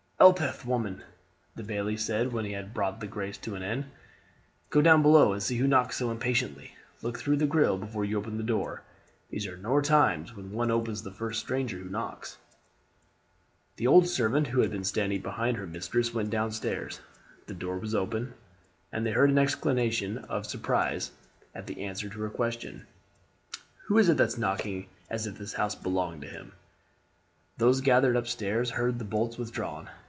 "Elspeth, woman," the bailie said when he had brought the grace to an end, "go down below and see who knocks so impatiently; look through the grille before you open the door; these are nor times when one opens to the first stranger who knocks." The old servant, who had been standing behind her mistress, went downstairs. The door was opened, and they heard an exclamation of surprise at the answer to her question, "Who is it that's knocking as if the house belonged to him?" Those gathered up stairs heard the bolts withdrawn.